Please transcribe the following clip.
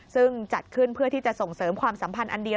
ซึ่งจัดขึ้นเพื่อที่จะส่งเสริมความสัมพันธ์อันเดียว